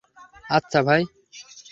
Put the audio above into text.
আচ্ছা, ভাই!